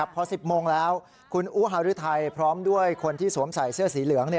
พอ๑๐โมงแล้วคุณอุฮารุทัยพร้อมด้วยคนที่สวมใส่เสื้อสีเหลือง